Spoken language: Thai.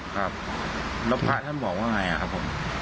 ครับแล้วพระท่านบอกว่าไงครับผม